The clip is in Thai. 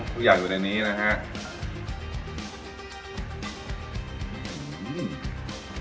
ทุกอย่างอยู่ในนี้นะครับ